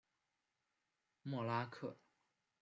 默拉克。